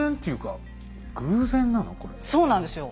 そうなんですよ。